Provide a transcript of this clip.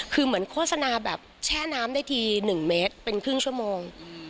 คือเหมือนโฆษณาแบบแช่น้ำได้ที๑เมตรเป็นครึ่งชั่วโมง